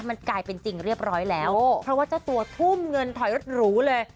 มันกลายเป็นจริงเรียบร้อยแล้วเพราะว่าเจ้าตัวทุ่มเงินถอยรถหรูเลย